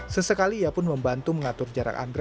sesekali ia pun membantu mengatur jarak andra